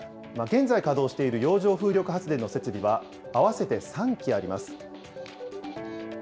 現在稼働している洋上風力発電の設備は、合わせて３基あります。